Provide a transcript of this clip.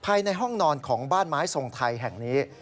ภายในห้องนอนของบ้านไม้ทรงไทยแห่งนี้